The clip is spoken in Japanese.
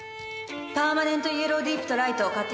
パーマネントイエローディープとライト買ってきて。